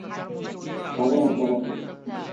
তাকে নাকি আমাকে?